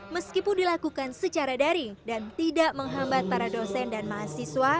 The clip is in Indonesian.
meskipun dilakukan secara daring dan tidak menghambat para dosen dan mahasiswa